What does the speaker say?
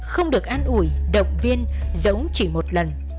không được an ủi động viên giống chỉ một lần